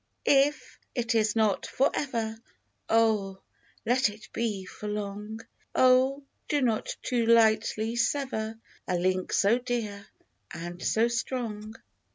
IF it is not for ever, Oh ! let it be for long ! Oh ! do not too lightly sever A link so dear and so strong